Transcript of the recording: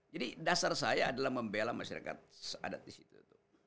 jadi dasar saya adalah membela masyarakat seadat disitu